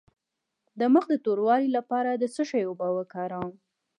د مخ د توروالي لپاره د څه شي اوبه وکاروم؟